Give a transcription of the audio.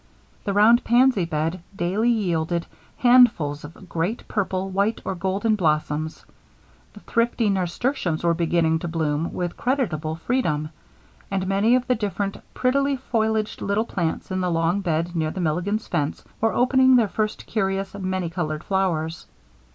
The round pansy bed daily yielded handfuls of great purple, white, or golden blossoms; the thrifty nasturtiums were beginning to bloom with creditable freedom; and many of the different, prettily foliaged little plants in the long bed near the Milligans' fence were opening their first curious, many colored flowers.